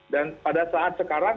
dan pada saat sekarang